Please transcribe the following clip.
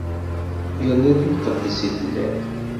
Yerna d imqeddes i telliḍ.